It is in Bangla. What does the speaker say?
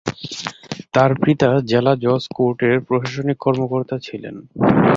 তার পিতা জেলা জজ কোর্টের প্রশাসনিক কর্মকর্তা ছিলেন।